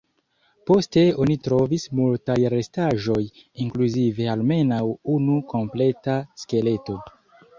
Poste oni trovis multaj restaĵoj, inkluzive almenaŭ unu kompleta skeleto.